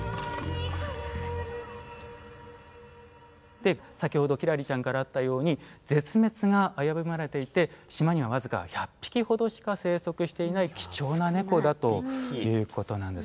で先ほど輝星ちゃんからあったように絶滅が危ぶまれていて島にはわずか１００匹ほどしか生息していない貴重なネコだということなんです。